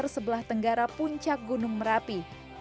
sebelah tenggara puncak gunung merapi